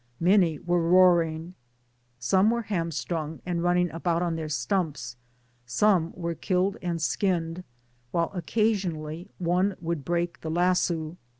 8^ tnany were roaring, some were hamBtrung, and running about on their stumps ; some were killed and skinned^ while occasionally one would break the lasso.